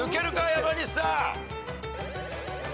山西さん。